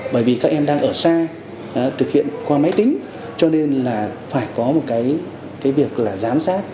bởi vì các em đang ở xa thực hiện qua máy tính cho nên là phải có một cái việc là giám sát